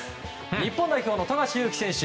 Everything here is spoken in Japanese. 日本代表の富樫勇樹選手。